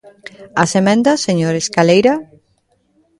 ¿As emendas, señor Escaleira?